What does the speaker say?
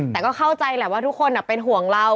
แต่ก็เข้าใจแหละว่าทุกคนเป็นห่วงเรา